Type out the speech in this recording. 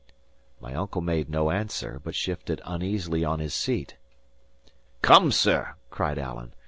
My uncle made no answer, but shifted uneasily on his seat. "Come, sir," cried Alan.